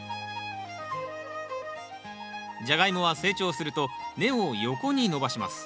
ジャガイモは成長すると根を横に伸ばします。